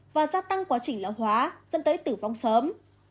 và gia tăng quá trình lão hóa dẫn tới tử vong sớm